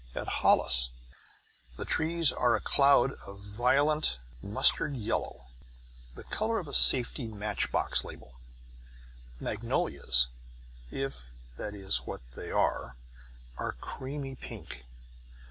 At Hollis the trees are a cloud of violent mustard yellow (the colour of a safety matchbox label). Magnolias (if that is what they are) are creamy pink.